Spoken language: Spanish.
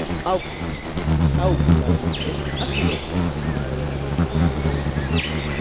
Auckland es a su vez la capital de la región homónima.